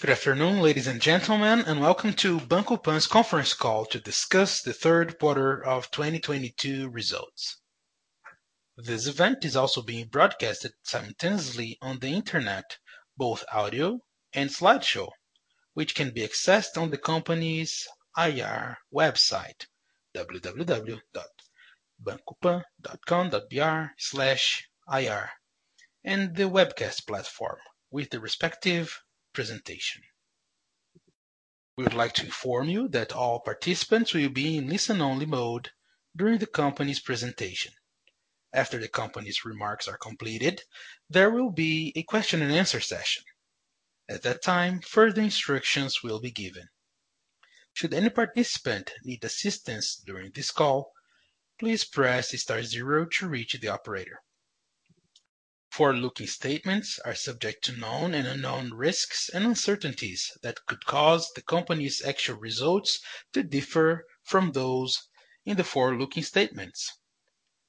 Good afternoon, ladies and gentlemen, and welcome to Banco Pan's conference call to discuss the third quarter of 2022 results. This event is also being broadcasted simultaneously on the internet, both audio and slideshow, which can be accessed on the company's IR website, www.bancopan.com.br/ir, and the webcast platform with the respective presentation. We would like to inform you that all participants will be in listen-only mode during the company's presentation. After the company's remarks are completed, there will be a question and answer session. At that time, further instructions will be given. Should any participant need assistance during this call, please press star zero to reach the operator. Forward-looking statements are subject to known and unknown risks and uncertainties that could cause the company's actual results to differ from those in the forward-looking statements.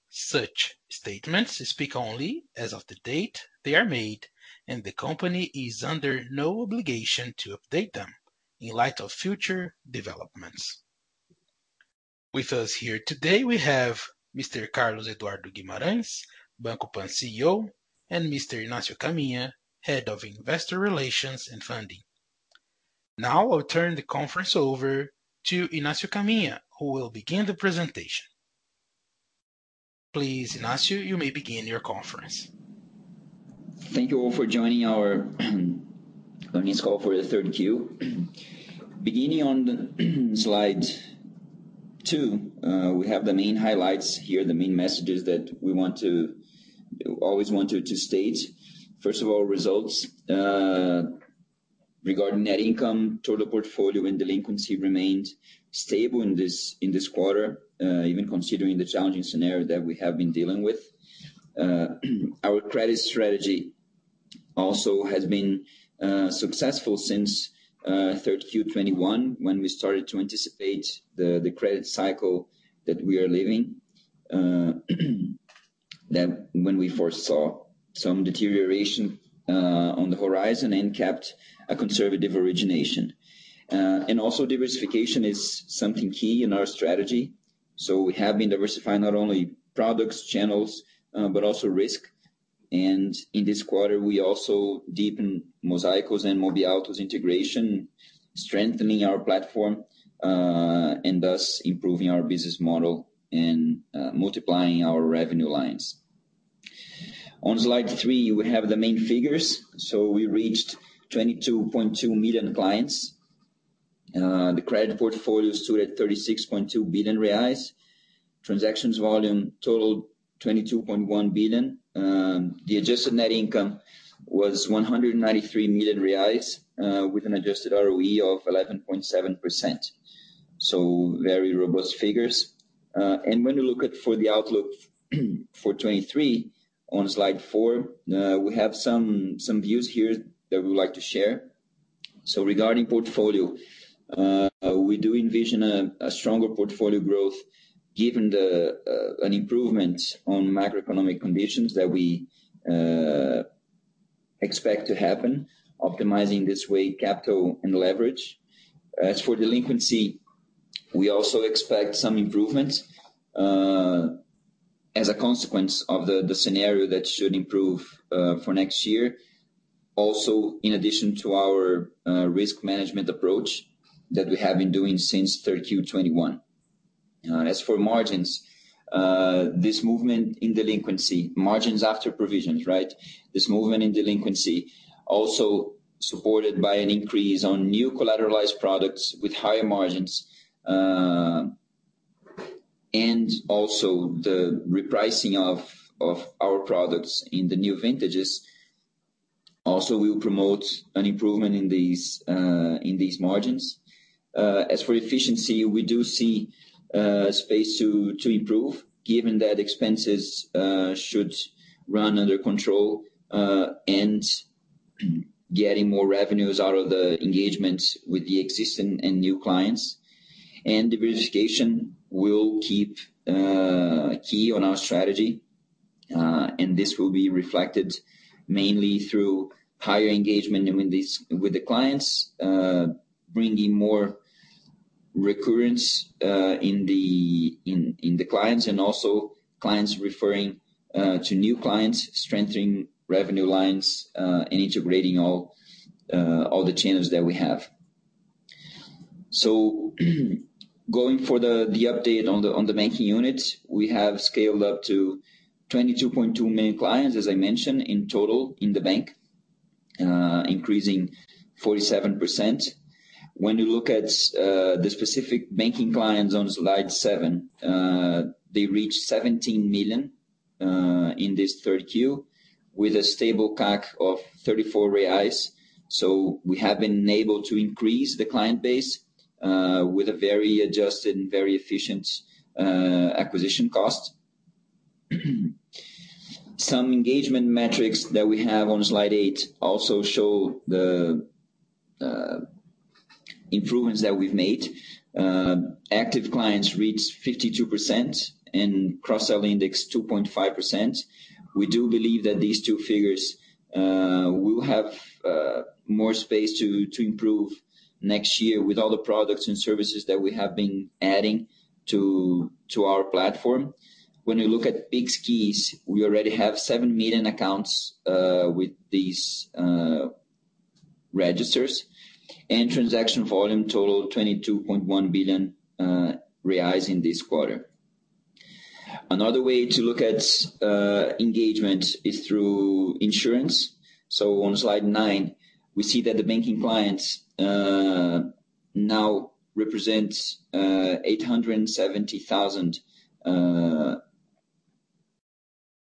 Such statements speak only as of the date they are made, and the company is under no obligation to update them in light of future developments. With us here today, we have Mr. Carlos Eduardo Guimarães, Banco Pan CEO, and Mr. Inácio Caminha, Head of Investor Relations and Funding. Now, I'll turn the conference over to Inácio Caminha, who will begin the presentation. Please, Inácio, you may begin your conference. Thank you all for joining our earnings call for the third Q. Beginning on slide 2, we have the main highlights here, the main messages that we always wanted to state. First of all, results regarding net income, total portfolio, and delinquency remained stable in this quarter, even considering the challenging scenario that we have been dealing with. Our credit strategy also has been successful since third Q 2021 when we started to anticipate the credit cycle that we are living, that when we foresaw some deterioration on the horizon and kept a conservative origination. Diversification is something key in our strategy. We have been diversifying not only products, channels, but also risk. In this quarter, we also deepen Mosaico's and Mobiauto's integration, strengthening our platform, and thus improving our business model and multiplying our revenue lines. On slide three, we have the main figures. We reached 22.2 million clients. The credit portfolio stood at 36.2 billion reais. Transactions volume totaled 22.1 billion. The adjusted net income was 193 million reais, with an adjusted ROE of 11.7%. Very robust figures. And when you look at the outlook for 2023 on slide four, we have some views here that we would like to share. Regarding portfolio, we do envision a stronger portfolio growth given an improvement on macroeconomic conditions that we expect to happen, optimizing this way, capital and leverage. As for delinquency, we also expect some improvement, as a consequence of the scenario that should improve, for next year. Also, in addition to our risk management approach that we have been doing since third Q 2021. As for margins, this movement in delinquency, margins after provisions, right? This movement in delinquency also supported by an increase on new collateralized products with higher margins. And also the repricing of our products in the new vintages also will promote an improvement in these margins. As for efficiency, we do see space to improve given that expenses should run under control, and getting more revenues out of the engagement with the existing and new clients. Diversification will keep key on our strategy, and this will be reflected mainly through higher engagement with the clients, bringing more recurrence in the clients, and also clients referring to new clients, strengthening revenue lines, and integrating all the channels that we have. Going for the update on the banking unit, we have scaled up to 22.2 million clients, as I mentioned, in total in the bank, increasing 47%. When you look at the specific banking clients on slide seven, they reached 17 million in this third Q with a stable CAC of 34 reais. We have been able to increase the client base with a very adjusted and very efficient acquisition cost. Some engagement metrics that we have on slide 8 also show the improvements that we've made, active clients reached 52% and cross-sell index 2.5%. We do believe that these two figures will have more space to improve next year with all the products and services that we have been adding to our platform. When we look at Pix keys, we already have 7 million accounts with these registers, and transaction volume total 22.1 billion reais in this quarter. Another way to look at engagement is through insurance. On slide 9, we see that the banking clients now represent 870,000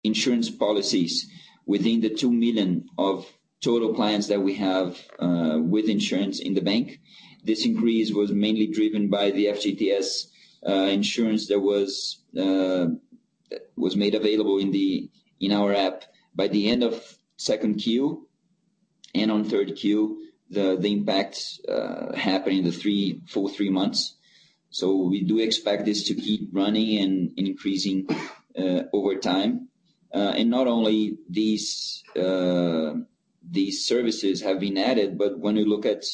insurance policies within the 2 million of total clients that we have with insurance in the bank. This increase was mainly driven by the FGTS insurance that was made available in our app by the end of second Q. On third Q, the impacts happened in the full three months. We do expect this to keep running and increasing over time. Not only these services have been added, but when we look at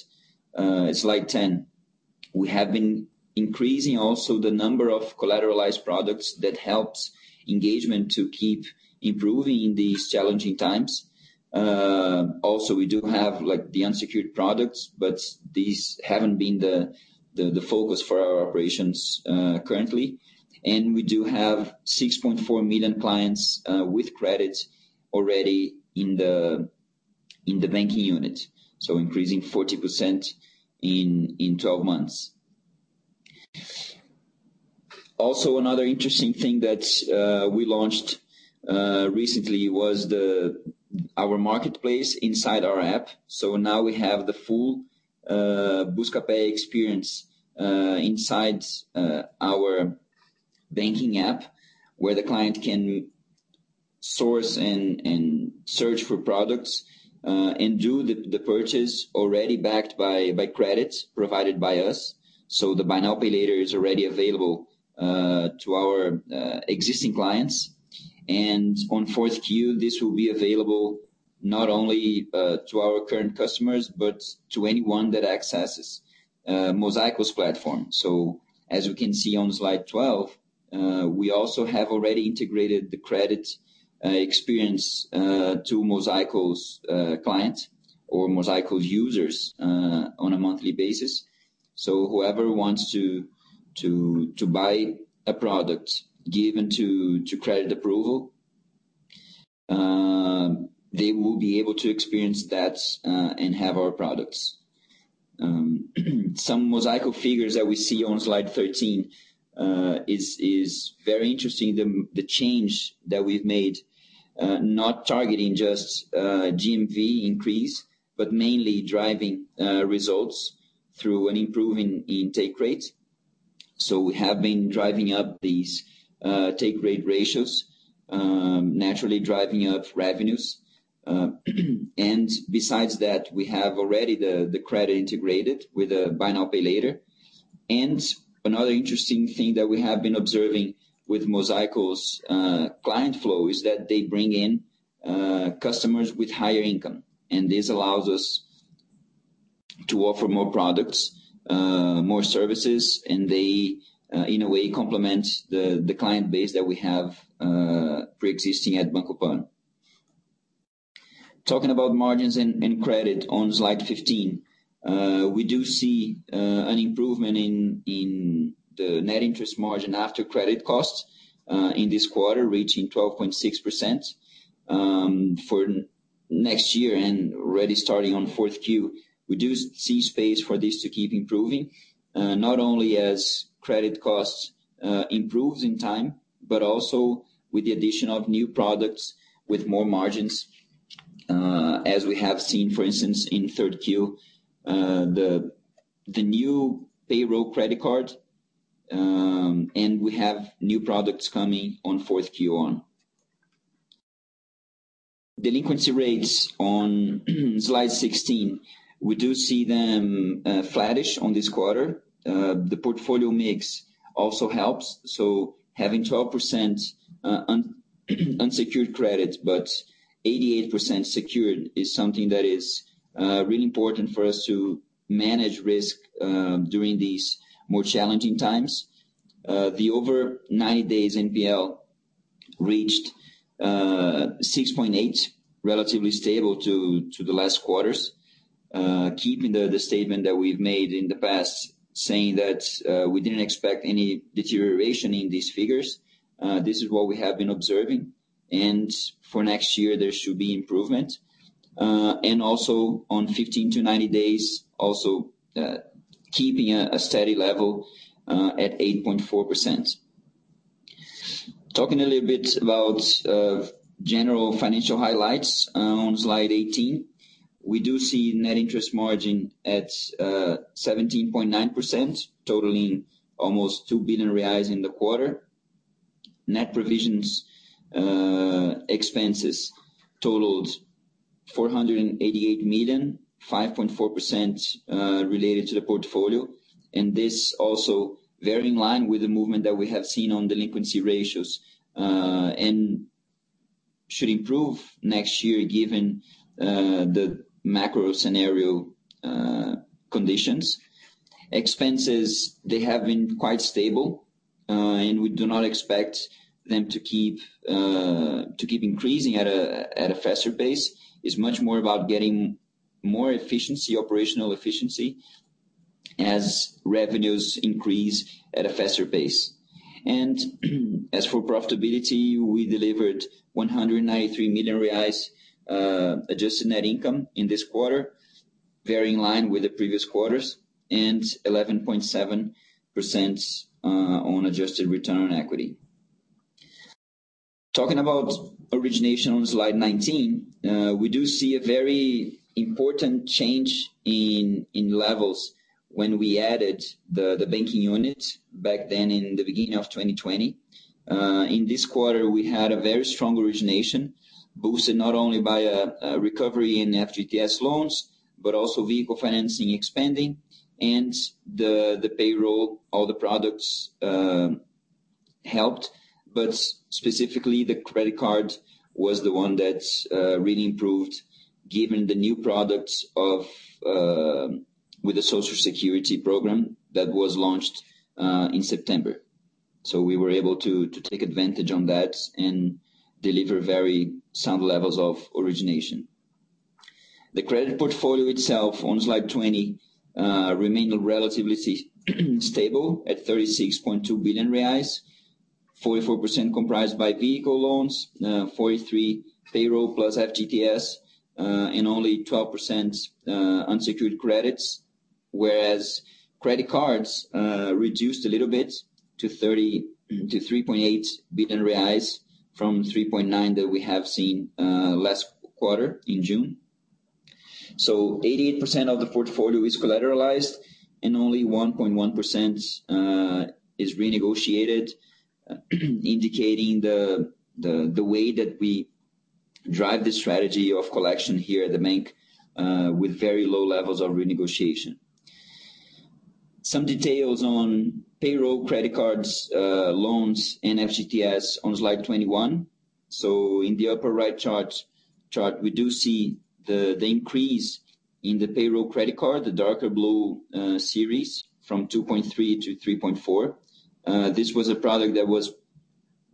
slide 10, we have been increasing also the number of collateralized products that helps engagement to keep improving in these challenging times. Also, we do have, like, the unsecured products, but these haven't been the focus for our operations currently. We do have 6.4 million clients with credit already in the banking unit, so increasing 40% in 12 months. Also, another interesting thing that we launched recently was our marketplace inside our app. Now we have the full Buscapé experience inside our banking app, where the client can source and search for products and do the purchase already backed by credit provided by us. The Buy Now, Pay Later is already available to our existing clients. On Q4, this will be available not only to our current customers, but to anyone that accesses Mosaico's platform. As we can see on slide 12, we also have already integrated the credit experience to Mosaico's client or Mosaico's users on a monthly basis. Whoever wants to buy a product given credit approval, they will be able to experience that and have our products. Some Mosaico figures that we see on slide 13 is very interesting. The change that we've made, not targeting just GMV increase, but mainly driving results through an improvement in take rate. We have been driving up these take rate ratios, naturally driving up revenues. Besides that, we have already the credit integrated with the Buy Now, Pay Later. Another interesting thing that we have been observing with Mosaico's client flow is that they bring in customers with higher income, and this allows us to offer more products, more services, and they in a way complement the client base that we have pre-existing at Banco Pan. Talking about margins and credit on slide 15. We do see an improvement in the net interest margin after credit costs in this quarter, reaching 12.6%. For next year and already starting on fourth Q, we do see space for this to keep improving, not only as credit costs improves in time, but also with the addition of new products with more margins, as we have seen, for instance, in third Q, the new payroll credit card, and we have new products coming on fourth Q on. Delinquency rates on slide 16. We do see them flattish on this quarter. The portfolio mix also helps. Having 12% unsecured credit, but 88% secured is something that is really important for us to manage risk during these more challenging times. The over 90 days NPL reached 6.8, relatively stable to the last quarters. Keeping the statement that we've made in the past saying that we didn't expect any deterioration in these figures. This is what we have been observing, and for next year, there should be improvement. On 15-90 days, keeping a steady level at 8.4%. Talking a little bit about general financial highlights on slide 18. We do see net interest margin at 17.9%, totaling almost 2 billion reais in the quarter. Net provisions expenses totaled 488 million, 5.4% related to the portfolio. This also very in line with the movement that we have seen on delinquency ratios, and should improve next year, given the macro scenario conditions. Expenses, they have been quite stable, and we do not expect them to keep increasing at a faster pace. It's much more about getting more efficiency, operational efficiency as revenues increase at a faster pace. As for profitability, we delivered 193 million reais adjusted net income in this quarter, very in line with the previous quarters, and 11.7% on adjusted return on equity. Talking about origination on slide 19, we do see a very important change in levels when we added the banking unit back then in the beginning of 2020. In this quarter, we had a very strong origination boosted not only by a recovery in FGTS loans, but also vehicle financing expanding and the payroll, all the products helped. Specifically, the credit card was the one that really improved given the new products with the Social Security program that was launched in September. We were able to take advantage of that and deliver very sound levels of origination. The credit portfolio itself on slide 20 remained relatively stable at 36.2 billion reais, 44% comprised by vehicle loans, 43% payroll plus FGTS, and only 12% unsecured credits. Whereas credit cards reduced a little bit to 3.8 billion reais from 3.9 that we have seen last quarter in June. 88% of the portfolio is collateralized and only 1.1% is renegotiated, indicating the way that we drive the strategy of collection here at the bank with very low levels of renegotiation. Some details on payroll credit cards, loans and FGTS on slide 21. In the upper right chart, we do see the increase in the payroll credit card, the darker blue series from 2.3% to 3.4%. This was a product that was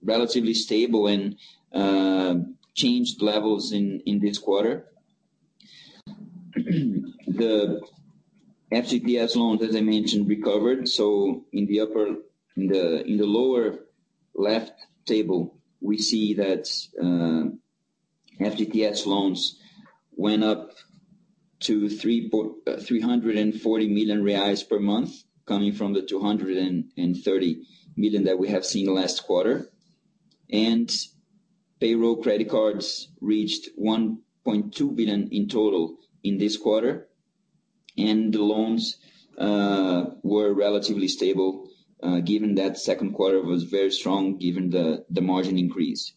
relatively stable and changed levels in this quarter. The FGTS loans, as I mentioned, recovered. In the lower left table, we see that FGTS loans went up to 340 million reais per month, coming from the 230 million that we have seen last quarter. Payroll credit cards reached 1.2 billion in total in this quarter. The loans were relatively stable, given that second quarter was very strong, given the margin increase.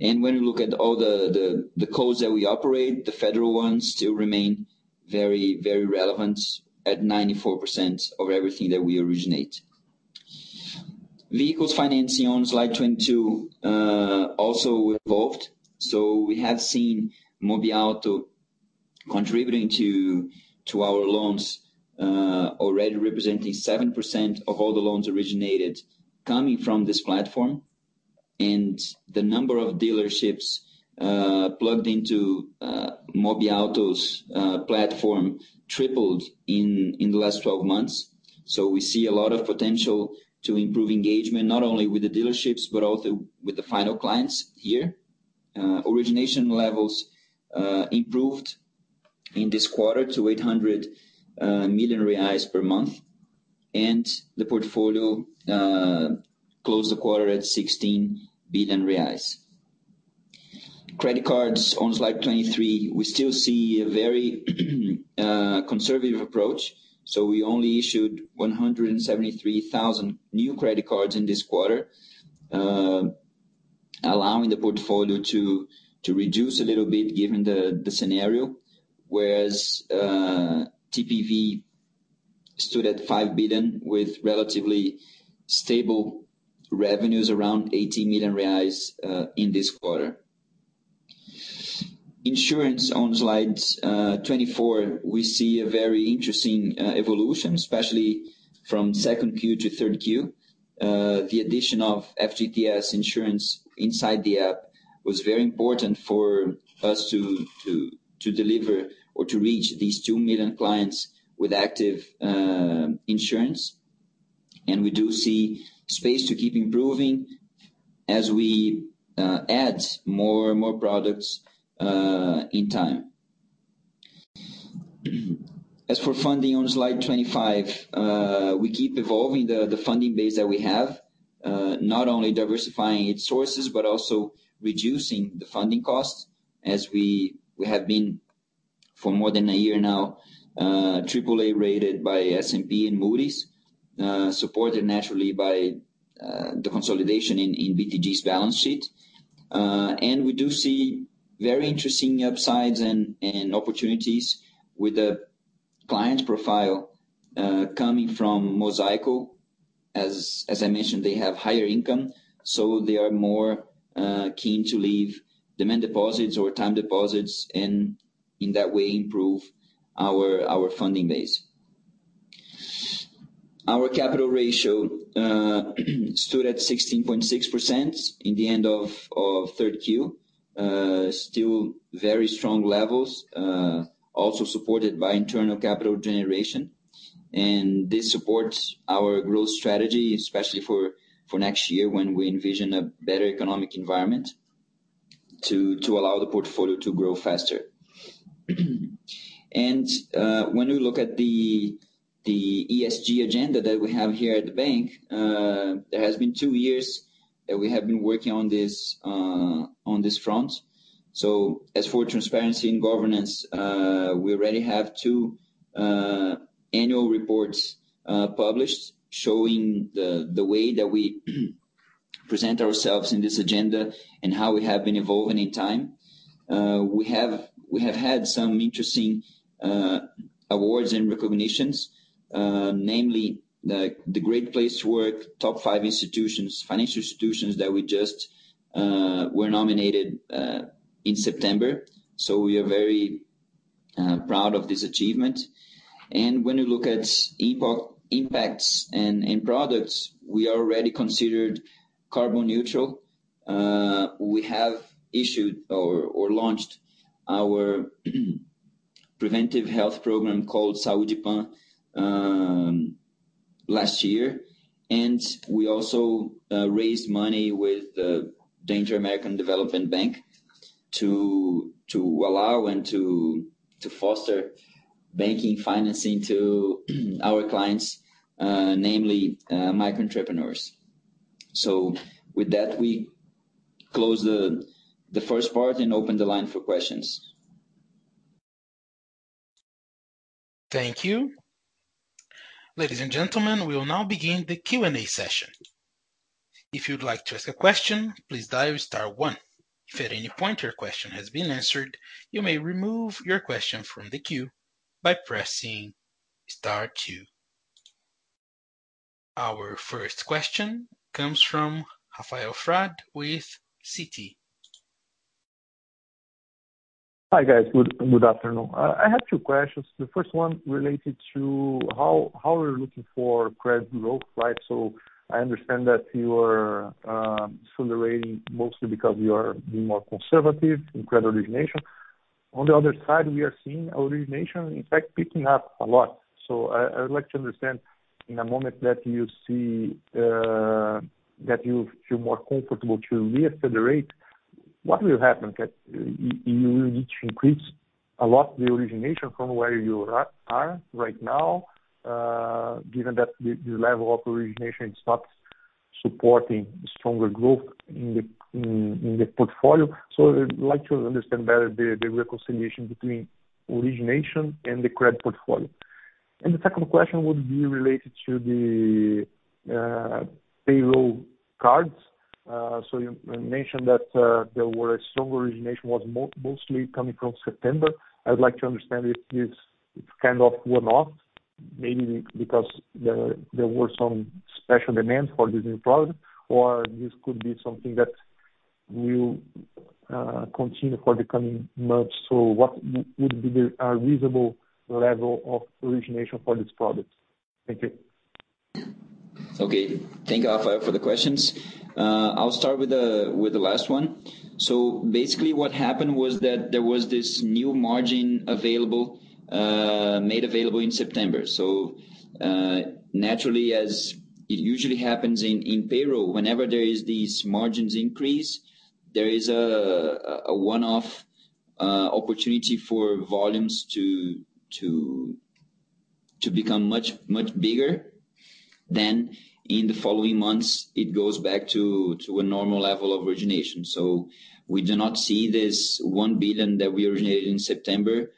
When you look at all the codes that we operate, the federal ones still remain very relevant at 94% of everything that we originate. Vehicles financing on slide 22 also evolved. We have seen Mobiauto contributing to our loans, already representing 7% of all the loans originated coming from this platform. The number of dealerships plugged into Mobiauto's platform tripled in the last 12 months. We see a lot of potential to improve engagement, not only with the dealerships, but also with the final clients here. Origination levels improved in this quarter to 800 million reais per month. The portfolio closed the quarter at 16 billion reais. Credit cards on slide 23, we still see a very conservative approach, so we only issued 173,000 new credit cards in this quarter, allowing the portfolio to reduce a little bit given the scenario. Whereas, TPV stood at 5 billion with relatively stable revenues around 80 million reais in this quarter. Insurance on slide 24, we see a very interesting evolution, especially from second Q to third Q. The addition of FGTS insurance inside the app was very important for us to deliver or to reach these 2 million clients with active insurance. We do see space to keep improving as we add more and more products in time. As for funding on slide 25, we keep evolving the funding base that we have, not only diversifying its sources, but also reducing the funding costs as we have been for more than a year now, AAA rated by S&P and Moody's, supported naturally by the consolidation in BTG's balance sheet. We do see very interesting upsides and opportunities with the client profile coming from Mosaico. As I mentioned, they have higher income, so they are more keen to leave demand deposits or time deposits and in that way improve our funding base. Our capital ratio stood at 16.6% in the end of third Q. Still very strong levels, also supported by internal capital generation. This supports our growth strategy, especially for next year when we envision a better economic environment to allow the portfolio to grow faster. When we look at the ESG agenda that we have here at the bank, there has been two years that we have been working on this front. As for transparency and governance, we already have two annual reports published showing the way that we present ourselves in this agenda and how we have been evolving in time. We have had some interesting awards and recognitions, namely the Great Place to Work, top five institutions, financial institutions that we just were nominated in September. We are very proud of this achievement. When you look at impacts and products, we are already considered carbon neutral. We have issued or launched our preventive health program called Saúde PAN last year. We also raised money with the Inter-American Development Bank to allow and to foster banking financing to our clients, namely micro entrepreneurs. With that, we close the first part and open the line for questions. Thank you. Ladies and gentlemen, we will now begin the Q&A session. If you'd like to ask a question, please dial star one. If at any point your question has been answered, you may remove your question from the queue by pressing star two. Our first question comes from Rafael Frade with Citi. Hi, guys. Good afternoon. I have two questions. The first one related to how we're looking for credit growth, right? I understand that you're decelerating mostly because you are being more conservative in credit origination. On the other side, we are seeing origination, in fact, picking up a lot. I would like to understand in a moment that you see that you feel more comfortable to reaccelerate, what will happen? Do you need to increase a lot the origination from where you are right now, given that the level of origination is not supporting stronger growth in the portfolio? I'd like to understand better the reconciliation between origination and the credit portfolio. The second question would be related to the payroll cards. So you mentioned that there was strong origination mostly coming from September. I would like to understand if this is kind of one-off, maybe because there were some special demands for this new product, or this could be something that will continue for the coming months. What would be the reasonable level of origination for this product? Thank you. Okay. Thank you, Rafael, for the questions. I'll start with the last one. Basically what happened was that there was this new margin available, made available in September. Naturally, as it usually happens in payroll, whenever there is this margin increase, there is a one-off opportunity for volumes to become much bigger than in the following months. It goes back to a normal level of origination. We do not see this 1 billion that we originated in September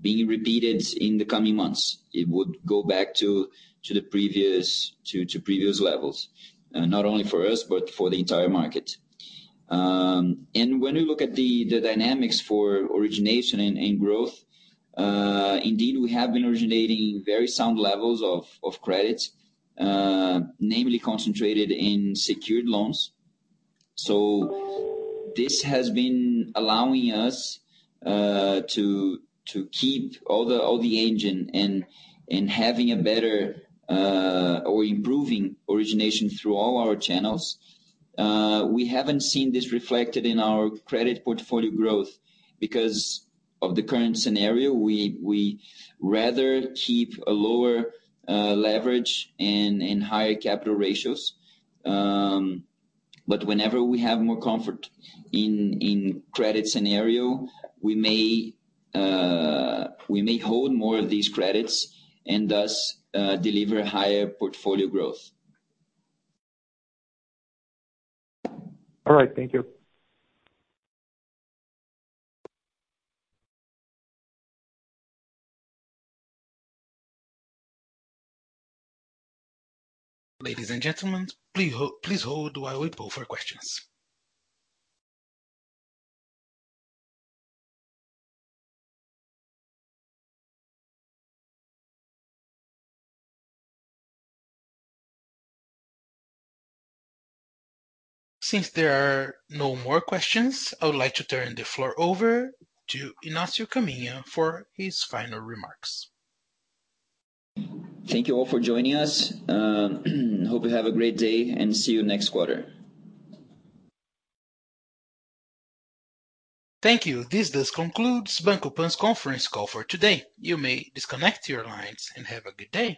being repeated in the coming months. It would go back to previous levels. Not only for us, but for the entire market. When we look at the dynamics for origination and growth, indeed, we have been originating very sound levels of credits, namely concentrated in secured loans. This has been allowing us to keep all the engine and having a better or improving origination through all our channels. We haven't seen this reflected in our credit portfolio growth because of the current scenario. We rather keep a lower leverage and higher capital ratios. Whenever we have more comfort in credit scenario, we may hold more of these credits and thus deliver higher portfolio growth. All right. Thank you. Ladies and gentlemen, please hold while we poll for questions. Since there are no more questions, I would like to turn the floor over to Inácio Caminha for his final remarks. Thank you all for joining us. Hope you have a great day and see you next quarter. Thank you. This does conclude Banco Pan's conference call for today. You may disconnect your lines and have a good day.